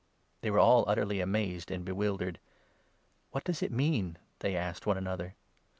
They were all utterly amazed and bewildered. 12 " What does it mean ?" they asked one another.